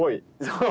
そう！